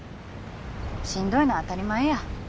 しんどいのは当たり前や。